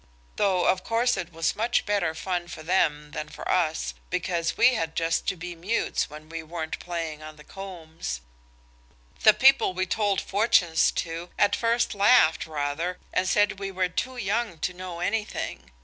Though of course it was much better fun for them than for us, because we had just to be mutes when we weren't playing on the combs. The people we told fortunes to at first laughed rather and said we were too young to know anything.